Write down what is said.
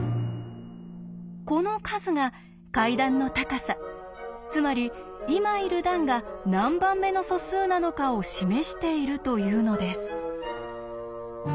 この数が階段の高さつまり今いる段が何番目の素数なのかを示しているというのです。